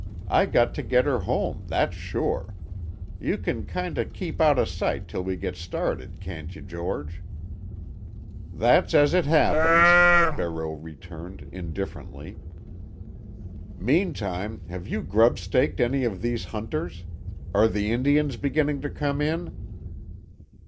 I got to get her home, that's sure. You can kinda keep out of sight till we get started, can't you, George?" "That's as it happens," Barreau returned indifferently. "Meantime, have you grub staked any of these hunters? Are the Indians beginning to come in?"